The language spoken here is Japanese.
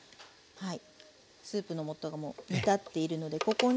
はい。